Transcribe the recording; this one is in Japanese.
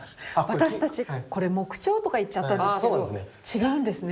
私たちこれ木彫とか言っちゃったんですけど違うんですね。